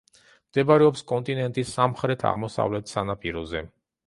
მდებარეობს კონტინენტის სამხრეთ-აღმოსავლეთ სანაპიროზე.